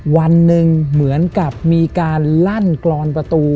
วันหนึ่งเหมือนกับมีการลั่นกรอนประตู